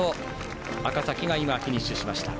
赤崎がフィニッシュしました。